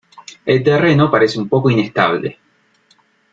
El terreno parece un poco inestable.